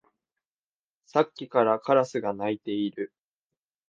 さっきからカラスが鳴いている